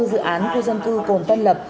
dự án khu dân cư cồn tân lập